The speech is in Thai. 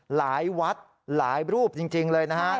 หลายวัดหลายรูปจริงเลยนะครับ